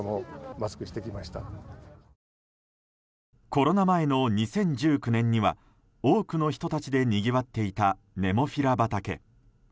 コロナ前の２０１９年には多くの人たちでにぎわっていた、ネモフィラ畑。